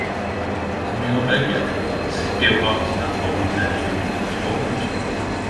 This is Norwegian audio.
Så vi har begge eit geografisk nært forhold til ein stor språkkunstnar.